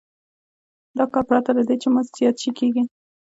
دا کار پرته له دې چې مزد زیات شي کېږي